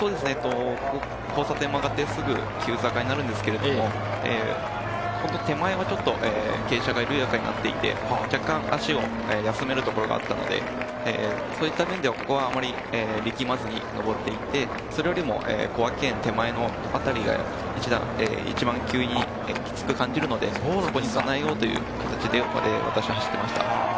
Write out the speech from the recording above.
交差点を曲がってすぐ急坂になるんですけれど、手前はちょっと傾斜が緩やかになっていて、若干、足を休めるところがあったので、そういった分ここは力まずに上って、それよりも小涌園手前のあたりが一番急にきつく感じるのでそこへ備えようという感じで私は走っていました。